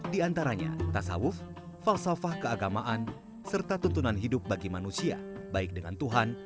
di antaranya tasawuf falsafah keagamaan serta tuntunan hidup bagi manusia baik dengan tuhan